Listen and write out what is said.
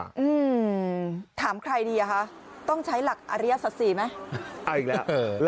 อืมถามใครดีอ่ะคะต้องใช้หลักอริยสัตว์ศรีไหม